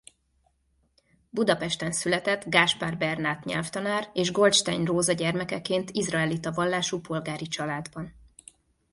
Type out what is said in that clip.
Budapesten született Gáspár Bernát nyelvtanár és Goldstein Róza gyermekeként izraelita vallású polgári családban.